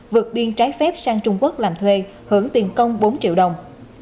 vượt biên trái phép sang trung quốc làm thuê hưởng tiền công bốn triệu đồng